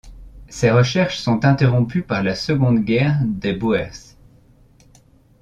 Ses recherches sont interrompues par la Seconde guerre des Boers.